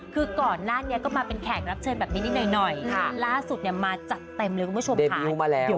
คือก่อนหน้านี้ก็มาเป็นแขกรับเชิญแบบนี้นิดหน่อยล่าสุดมาจัดเต็มเลยว่าชวมผ่านเดมยูมาแล้ว